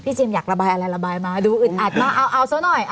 จิมอยากระบายอะไรระบายมาดูอึดอัดมาเอาซะหน่อย